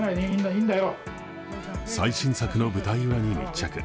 最新作の舞台裏に密着。